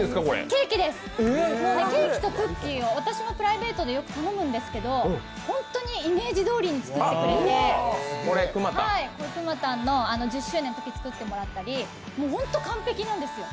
ケーキとクッキーを私もプレイベートでよく頼むんですけど本当にイメージどおりに作ってくれて、くまたんの、１０周年のときに作ってくれたりホント完璧なんですよ。